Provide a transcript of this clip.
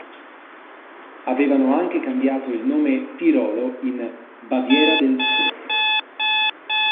Avevano anche cambiato il nome "Tirolo" in "Baviera del Sud".